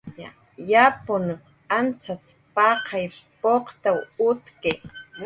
Yapnhanq ancxacx paqay puqtaw utki